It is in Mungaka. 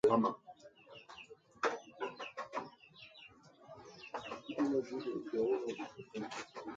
Kɔb bə lɨʼ bo ni ntaʼ ŋkwin a.